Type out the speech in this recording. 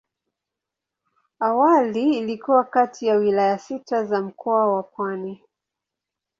Awali ilikuwa kati ya wilaya sita za Mkoa wa Pwani.